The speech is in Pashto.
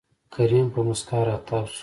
کريم په موسکا راتاو شو.